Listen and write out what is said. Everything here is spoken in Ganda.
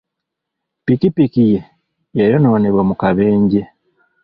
Ppikipiki ye yayonoonebwa mu kabenje.